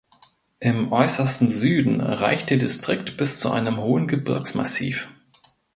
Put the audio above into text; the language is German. Im äußersten Süden reicht der Distrikt bis zu einem hohen Gebirgsmassiv.